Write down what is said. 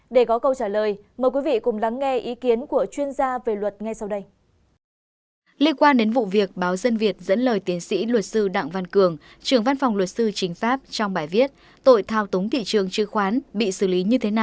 để có câu trả lời mời quý vị cùng lắng nghe ý kiến của chuyên gia về luật ngay sau đây